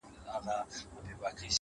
دا رکم ـ رکم در پسې ژاړي!